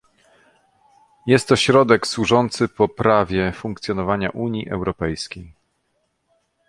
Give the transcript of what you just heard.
Jest to środek służący poprawie funkcjonowania Unii Europejskiej